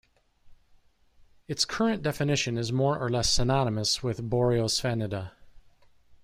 Its current definition is more or less synonymous with Boreosphenida.